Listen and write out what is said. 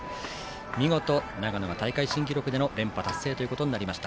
見事、長野は大会新記録での連覇達成となりました。